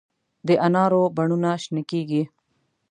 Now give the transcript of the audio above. د انارو بڼونه شنه کیږي